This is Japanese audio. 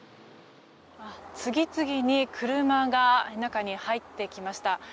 次々に車が中に入ってきました。